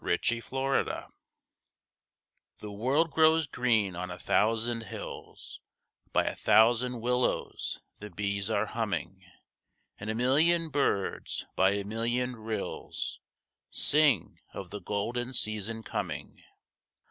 ALL FOR ME The world grows green on a thousand hills— By a thousand willows the bees are humming, And a million birds by a million rills, Sing of the golden season coming.